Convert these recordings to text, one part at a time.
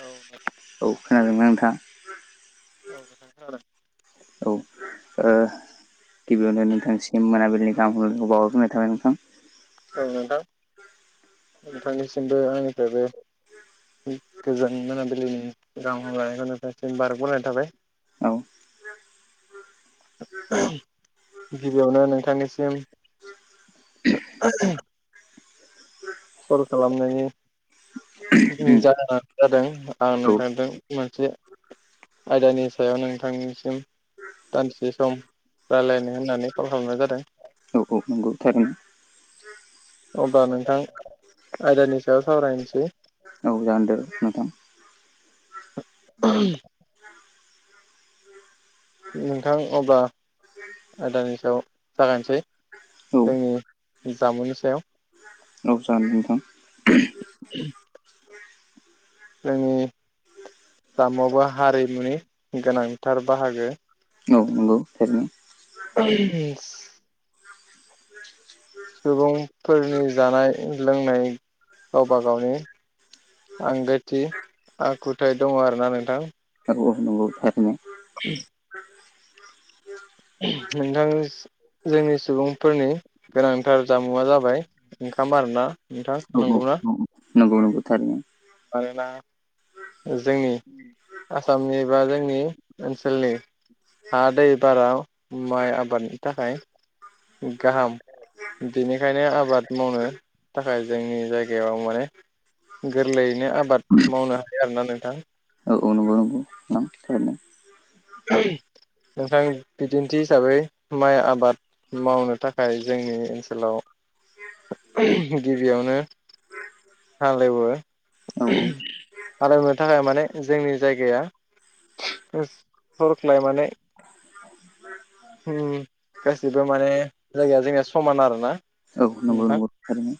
औ औ खोनादोंना नोंथां? औ आ औ गिबियावनो नोंथांसि मोनाबिलिनि गाहामखौ बावहरग्राय थाबाय नोंथां। औ नोंथां नोंथांनिसिमबो आंनिफ्रायबो गोजोन मोनाबिलिनि रां हामलायानायखौनोोंसिम बारगबलायनाय थाबाय औ गिबियावनो नोंथांनिसिम कल खालामनायनि उम ज जादों आं औ नोंथांदों मोनसे आयदानि सायाव नोंथांनिसिम दानसे सम रायज्लायनो होननानै कल खालामनाय जादों। गौथार न अब्ला नोंथां आयदानि सायाव सावरायनोसै औ जागदो नोंथां। दै नोंथां अब्ला आदानि सायाव जागोनसै औ जोंनि जामुंनि सायाव नाव जानो नोंथां उ जोंनि आसामावबो हारिमुनि गोनांथार बाहागो औ नंगौ थरैनो। [inaudible] सुबुंफोरनि जानाय लोंनाय गावबा गावनि आंगोथि आखुथाय दङ आरोना नोंथां। औ औ नांगौ थारैनो। [inaudible] [unintelligible] नोंथां जोंनि सुबुंफोरनि गोनांथार जामुंआ जाबाय ओंखाम आरोना नोंथां नंगौना। नोंगौ थारैनो [unintelligible] जोंनि आसामनि बा जोंनि ओनसोलनि हा दै बाराव माइ आबादनि थाखाय गाहाम बेनिखायनो आबाद मावनो थाखाय जोंनि जायगायाव माने गोरलैयैनो आबाद मावनो हायो आरोना नोंथां औ औ नोंगौ नोंथां [inaudible] नोंथां बिदिन्थि हिसाबै माइ आबाद मावनो थाखाय जोंनि ओनसोलाव गिबियावनो हालेवो औ हालेवनो थाखाय माने जोंनि जायगाया सरख्लाय माने गासिबो माने जायगाया जोंनिया समान आरो ना औ नोंगौ थारैनो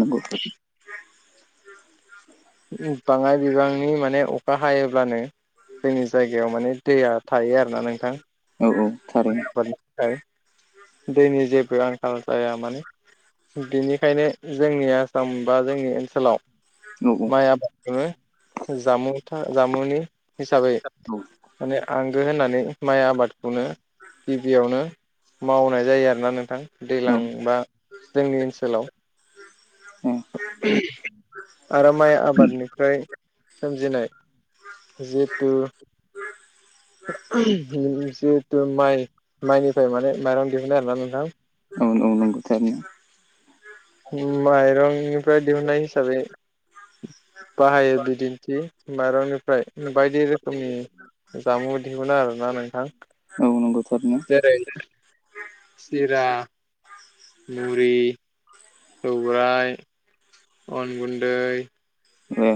नांगौ बाङाय बिबांनि माने अखा हायोब्लानो जोंनि जायगायाव माने दैया थायो आरोना नोंथां औ औ माय थारैनो आबादनि थाखाय दैनि जेबो आंखाल जाया माने बिनिखायनो जोंनि आसाम बा जोंनि ओनसोलाव औ माइ आबादखौनो जामुं जामुंनि हिसाबै औ माने आंगो होननानै माइ आबादखौनो गिबियावनो मावनाय जायो आरोना नोंथां दैज्लां बा जोंनि ओनसोलाव ए [inaudible] आरो माइ आबादनिफ्राय सोमजिनाय जिहेथु जिहेथु माइ माइनिफ्राय माने माइरं दिहुननाय आरोना नोंथां औ नांगौ थारैनो माइरंनिफ्राय दिहुननाय हिसाबै बाहायो बिदिन्थि माइरंनिफ्राय बायदि रोखोमनि जामु बिदिमोन आरोना नोंथां नोंगौ थारैनो जेरै सिरा मुरि सौराइ अन गुन्दै ओ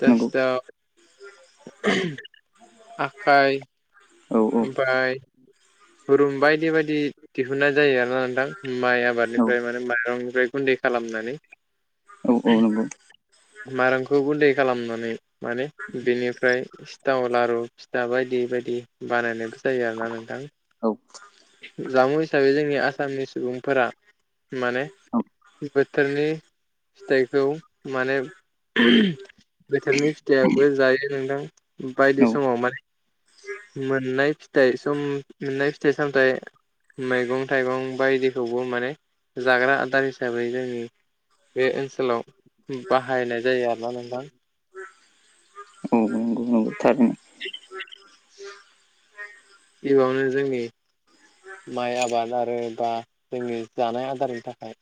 दस द आखाइ औ औ ओमफ्राय रुम बायदि बायदि दिहुननाय जायो आरोना नोंथां माइ आबादनिफ्राय माने माइरंनिफ्राय गुन्दै खालामनानै औ औ नंगौ मारामखौबो दै खालामनानै माने बेनिफ्राय सिथाव लारु फिथा बायदि बायदि बानायनायबो जायो आरोोना नोंथां औ। जामुं हिसाबै जोंनि आसामनि सुबुंफोरा माने। औ बोथोरनि फिथाइखौ माने। बोथोरनि फिथाइयाबो जायो नोंदां बायदि समाव माने। मोननाय फिथाइ सम मोननाय फिथाइ सामथाइ। मैगं थाइगं बायदिखौबो माने जाग्रा आदार हिसाबै जोंनि। बे ओनसोलाव। बाहायनाय जायो आरोना नोंथां। औ नोंगोव नोंगोव थारैनो। गिबियावनो जोंनि। माइ आबाद आरो बा जोंनि जानाय आदारनि थाखाय।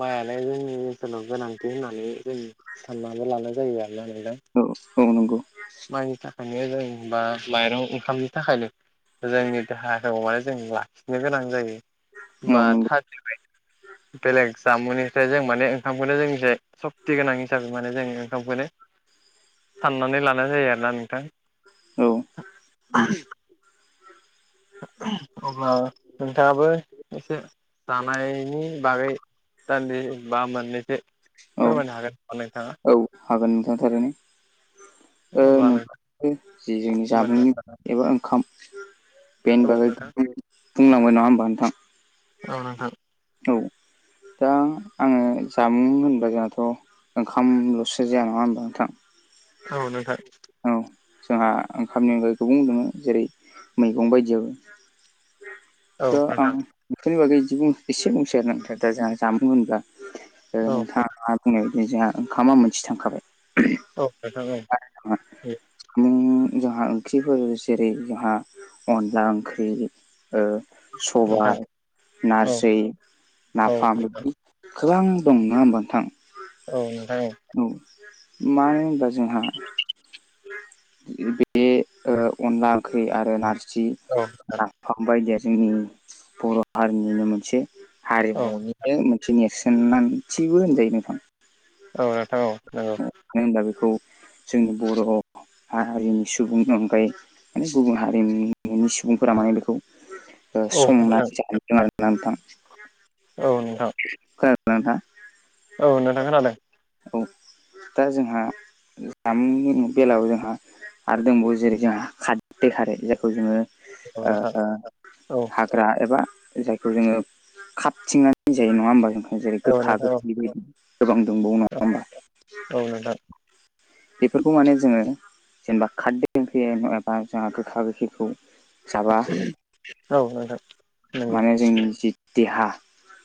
माइआनो जोंनि ओनसोलाव गोनांथि होननानै जों सानानैबो लानाय जायो आरो नोंथां। उसु नंगौ माइनि थाखायनो जों एबा माइरं ओंखामनि थाखायनो जोंनि देहाखौ माने जों लाखिनो गोनां जायो औ बा नंगौ थाजोबाय [unintelligible] बेलेग जामुंनिफ्राय जों माने ओंखामखौनो जोंनिजाय सक्ति गोनां हिसाबै माने जों ओंखामखौनो सानानै लानो जानाय जायो आरोना नोंथां। औ अब्ला नोंथाङाबो एसे जानायनि बागै। दान्दि बा मोनैसो औ फोरमायनो हागोन ना नोंथाङा औ हागोन नोंथां थारै ओ नोंथां जि जोंनि मोनदों जामुंनि एबा ओंखाम औ बेेनिबागै बुंलांबाय नङा ओमबा नोंथां? औ नोंथां औ। दा आङो जामुं होनबा जोंहाथ' ओंखामल'सो जाया नङा होनबा नोंथां? औ नोंथां औ जोंहा ओंखामनि अनगायै गुबुं दङ जेरै मैगं बायदियाव [inaudible] दा आं नोंथां बेफोरनि बागै दि एसे बुंसै आरोना दा जोंहा जामुं होनब्ला औ नोंथां औ नोंथाङा बुंनाय बायदि जोंहा ओंखामा मोनसे थांखाबाय। औे नोथां औ नों जोंहा ओंख्रिफोर जेरै जोंहा अनला ओंख्रि ओ नोंथां सबाइ औ नारजै औ नाफाम नोंथां गोबां दं ना ओमबा नोंथां औ नोंथां औ औ मानो होनबा जोंहा बे अनला ओंख्रि आरो नारजि औ नोंथां औ बिफां बायदिया जोंनि बर' हारिमुनि मोनसे हारिमुनि बे मोनसे नेरसोनांथिबो होनजायो नोंथां औ नोंथां मानो होनब्ला बेखौ जोंनि बर' हारिनि सुबुंनि अनगायै माने गुबुन हारिनि सुबुंफोरा माने बेखौ संनानै जानोदों [unintelligible] आरो नोंथां औ नोंथां खोनादों ना नोंथां? औ नोंथां खोनादों। औ दा जोंहा। जामुंनि बेलायाव जोंहा आरो दंबावो जेरै जोंहा खारदै खारै जायखौ जोंङो औ नोंथां औ। हाग्रा एबा जायखौ जोङो खाबथिंनानै जायो नङा ओमबा जों जेरै गोखा खोनादों गोखै गोबां दंबावो नङा ओमबा औ नोंथां बेफोरखौ माने जोङो जेनेबा खारदै ओंख्रि एबा जा गोखा गोखैखौ जाबा औ नोंथां औ नोंथां औ नोंथां नंगौ माने जोंनि जि देहा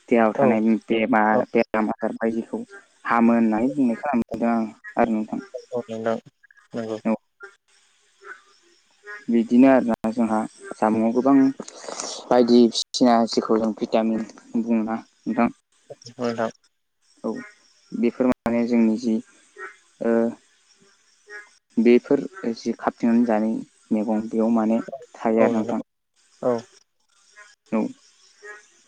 देहायाव औ थानाय औ बेमार बेरामा बायदिखौ हामो होननानै बुंनाय खोनानो मोनदों आं आरो नोंथां औ नोंथां नंगौ औ बिदिनो आरोना जोंहा जामुङाव गोबां बायदिसिना जखौ जों भिटामिन बुङोना नोंथां ओ नोंथां औ बेफोर माने जोंनि जि बेफोर जि खााबथिेनानै जानाय मैगं बेयाव माने थायो आरो नोंथां औ औ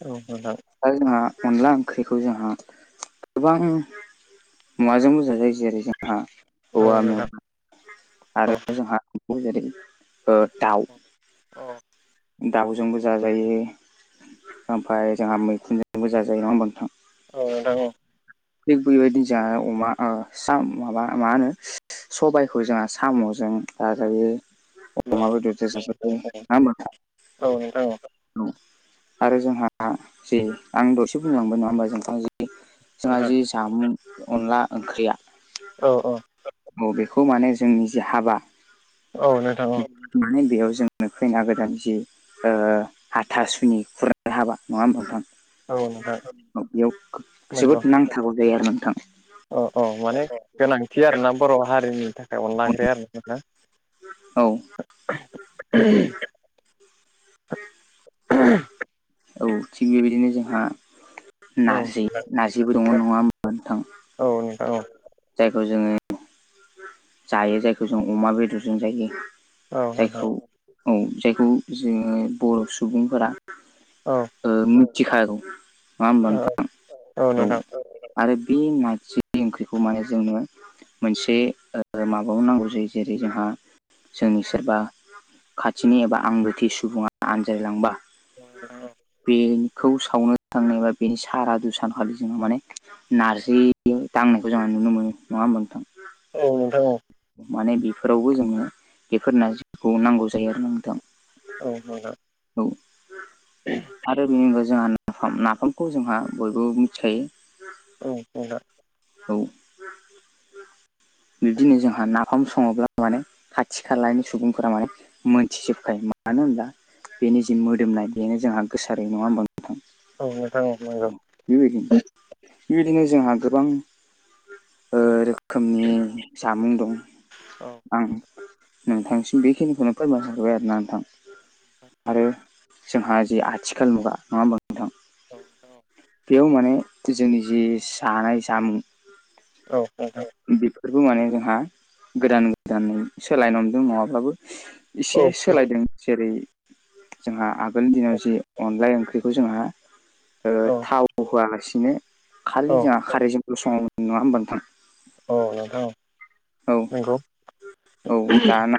औ नोंथां दा जोंहा अनला ओंख्रिखौ जोंहा गोबां मुवाजोंबोोज जायो जेरै जोंहा औ औवा नोथां मेवा आरो जोंहा जेरै दाउ अ दाउजोंबो जाजायो ओमफफ्राय जोंहा मैखुनजोंबो जाजायो नङा हबा नोंथां औ नोंथां औ थिग बेबायदिनो जों अमा माबा मा होनो सबायखौ जोंहा साम'जों लाजायो [unintelligible] औ नोंथां औ आरो जोंहा जे आं दसे बुंलांबाय नङा होमबा जोंथां जि जा जि जामुं अनला ओंख्रिया औ औ बेेखौ माने जोंनि जे हाबा औ नोंथां औ होननानै बेयाव जोंनो फैना गोदान जि हाथा सुनि खुरनो हाबा नङा औ नोंथां होनबथां बेयाव नंगौ जोबोद नांथाबौ जायो आरो नोंथां औ औ माने गोनांथि आरोना बर' हारिनि थाखाय अनलांग्राया आरो औ औ थिग बेबायदिनो जोंहा आरो नारजि नारजिबो दङ नङा मोनथां नोंथां औ जायखौ जोङो जायो जायखौ जों अमा बेदरजों जायो औ नोंथां जायखौ औ जायखौ जोङो बर' सुबुंफोरा औ मिथिखागौ ना होमबा औ नोंथां औ नोंथां आरो बे नारजि ओंख्रिखौ माने जोङो मोनसे बे माबायाव नांगौ जायो जेरै जोंहा जोंनि सोरबा खाथिनि एबा आंग्रोथि सुबुङा आनजायलांबा औ बेखौ सावनो थांनायबा बेनि सारा दुसान खालि जोङो माने नारजि दांनायखौ जोंहा नुनो मोनो नङा मोनथां औ नोंथां औ माने बेफोरावबो जोङो बेफोरना जिखौ नांगौ जायो आरो नोंथां औ औ औ आरो बेनि अनगाव जोंहा नाफाम नाफामखौ जोंहा बयबो मिथिखायो औ बुंना औ बिदिनो जोंहा नाफाम सङोब्ला माने खाथि खालानि सुबुंफोरा माने मोनथिजोबखायो मानो होनब्ला बेनि जि मोदोमनाय बेनो जोंहा गोसारै नङा होनबा नोंथां औ नोंथां नंगौ बेबायदिनो बेबायदिनो जोंहा गोबां रोखोमनि जामुं दं आं नोंथांसिम बेखिनिखौनो फोरमाय हरबाय आरो ना नोंथां आरो जोंहा जे आथिखाल मुगा नंङा होमबा थ बेयाव माने जोंनि जि जानाय जामुं औ औ बेफोरबो माने जोंहा गोदान गोदानै सोलायनो हमदों नंङाब्लाबो औ नोंथां एसे औ सोलायदों जेरै जोंहा आगोलनि दिनाव जि अनलाय ओंख्रिखौ जोंहा ओ औ थाव होआलासिनो औ खालि जोंहा खारैजोंल संङोमोन नङा होमबा नोंथां औ नोंथां औ नंगौ औ दाना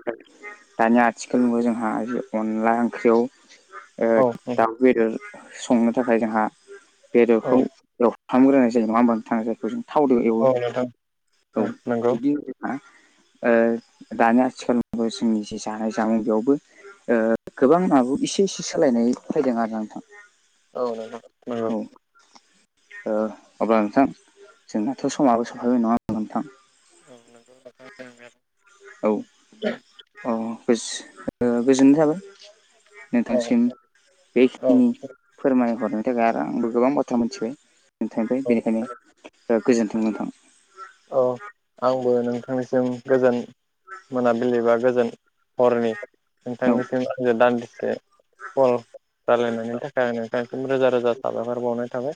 दानिया आथिखाल नु जोंहा अनला ओंख्रियाव ओ औ दाउ बेदर संनो थाखाय जोंहा औ बेदरखौ फाहामग्रोनायनाय जायो नंङा होमबा नोंथां जायखौ जों थावजों एवो औ नोंथां औ नंगौ बिदि दानि आथिखालबो जोंनि जे जानाय जामुं बेयावबो ओ गोबां आबो एसे एसे सोलायनाय फैदों आरो ना नोंथां औ नोंथां औ ओ अब्ला नोंथां जोंनाथ' समाबो सफैबाय नंङा होमब्ला नोंथां [unintelligible] औ अ गो-गोजोननाय थाबाय औ नोंथांनिसिम बे औ खिनि फोरमायहरनाय बेनि थाखाय आरो आंबो गोबां बाथ्रा मिथिबाय नोंथांनिफ्राय औ बेनिखायनो गोजोन्थों नोंथां औ आंबो नोंथांनिसिम गोजोन मोनाबिलि बा गोजोन हरनि औ नोंथांनिसिम आंङो दान्दिसे कल रालायनायनि थाखाय आं नोंथांसिम रोजा रोजा साबायफर बावनाय थाबाय।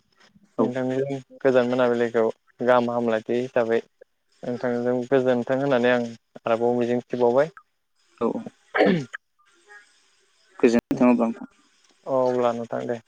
औ नोंथांनि गोजोन मोनाबिलिखौ गाहाम हामलाय बे हिसाबै नोंथांजों गोजोनथों होननानै आं आरोबाव मिजिंथिबावबाय औ औ गोजोनथों अ अब्ला नोंथां दे